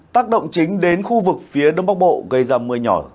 tác động chính đến khu vực phía đông bắc bộ gây ra mưa nhỏ